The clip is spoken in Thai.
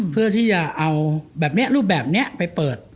เพื่อที่จะเอาแบบนี้รูปแบบนี้ไปเปิด